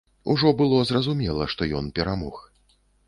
Ужо было зразумела, што ён перамог.